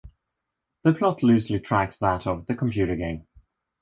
The plot loosely tracks that of the computer game.